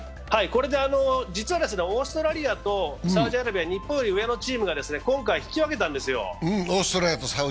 オーストラリアとサウジアラビア、日本より上のチームが今回引き分けたんですよ。